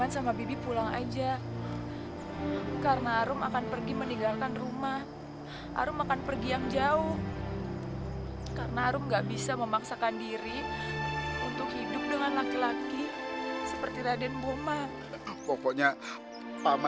sampai jumpa di video selanjutnya